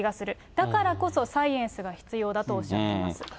だからこそサイエンスが必要だとおっしゃっています。